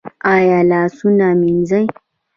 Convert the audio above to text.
ایا لاسونه مینځي؟